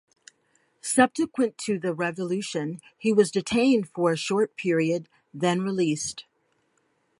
Subsequent to the revolution he was detained for a short period then released.